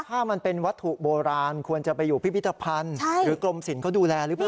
ถ้ามันเป็นวัตถุโบราณควรจะไปอยู่พิพิธภัณฑ์หรือกรมสินเขาดูแลหรือเปล่า